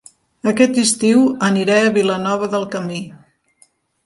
Aquest estiu aniré a Vilanova del Camí